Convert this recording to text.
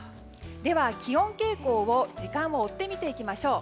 では、気温傾向を時間を追って見ていきましょう。